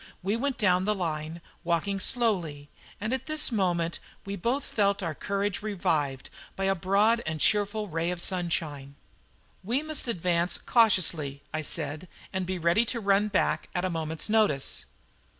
We went down the line, walking slowly, and at this moment we both felt our courage revived by a broad and cheerful ray of sunshine. "We must advance cautiously," I said, "and be ready to run back at a moment's notice."